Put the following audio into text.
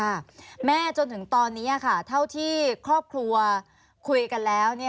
แม่จนถึงตอนนี้ค่ะเท่าที่ครอบครัวคุยกันแล้ว